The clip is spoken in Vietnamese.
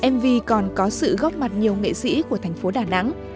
mv còn có sự góp mặt nhiều nghệ sĩ của thành phố đà nẵng